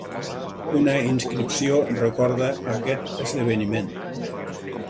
Una inscripció recorda aquest esdeveniment.